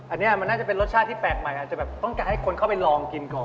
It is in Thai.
อันนี้มันน่าจะเป็นรสชาติที่แปลกใหม่อาจจะแบบต้องการให้คนเข้าไปลองกินก่อน